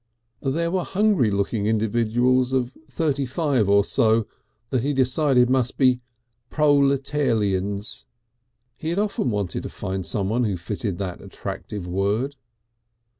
There were hungry looking individuals of thirty five or so that he decided must be "Proletelerians" he had often wanted to find someone who fitted that attractive word.